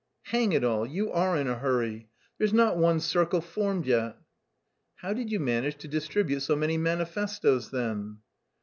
"Hang it all, you are in a hurry! There's not one circle formed yet." "How did you manage to distribute so many manifestoes then?"